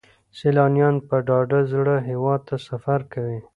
سیلانیان په ډاډه زړه هیواد ته سفر کوي.